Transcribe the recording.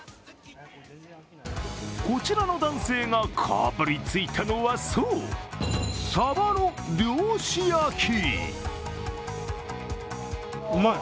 こちらの男性がかぶりついたのは、そう、さばの漁師焼き。